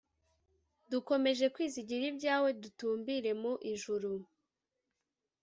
Dukomedje kwizigira ibyawe dutumbira mu ijuru